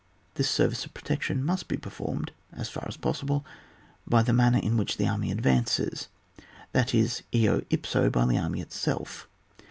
This service of protection must be performed as far as possible by the manner in which the army ad vances, that is, eo ipso by the army itself.